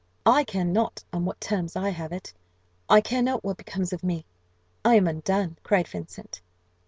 "I care not on what terms I have it I care not what becomes of me I am undone!" cried Vincent.